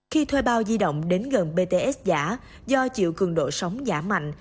khi thuê bao di động đến gần bts giả do chịu cường độ sóng giảm mạnh